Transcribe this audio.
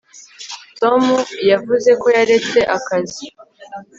tom yavuze ko yaretse akazi